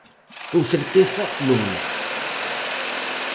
Con certeza non.